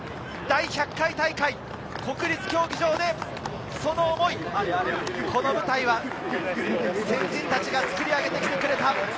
第１００回大会、国立競技場で、その思い、この舞台は先人たちが作り上げてきてくれた。